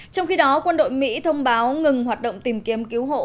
trong khi đó quân đội mỹ thông báo ngừng hoạt động tìm kiếm cứu hộ